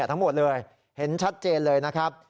ทั้งหมดเลยเห็นชัดเจนเลยนะครับ